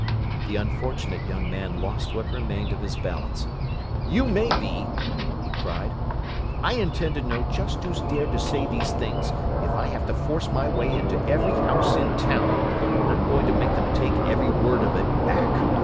The unfortunate young man lost what remained of his balance. "You may be!" he cried. "I intend to know just who's dared to say these things, if I have to force my way into every house in town, and I'm going to make them take every word of it back!